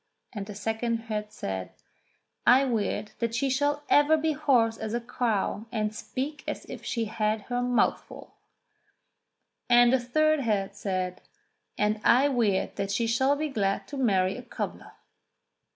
And the second head said : "I weird that she shall ever be hoarse as a crow and speak as if she had her mouth full." Then the third head said : "And I weird that she shall be glad to marry a cobbler."